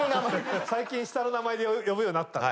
下の名前で呼ぶようになったの。